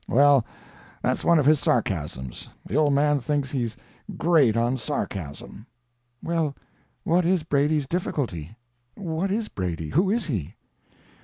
Well, that's one of his sarcasms—the old man thinks he's great on sarcasm." "Well, what is Brady's difficulty? What is Brady—who is he?"